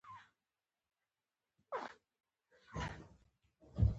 خپل کورته ځینې راوړم